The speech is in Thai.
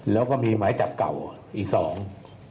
แล้วก็มีหมายจับเก่าอีกสอง